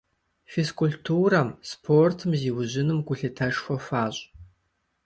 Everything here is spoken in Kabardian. Физкультурэм, спортым зиужьыным гулъытэшхуэ хуащӀ.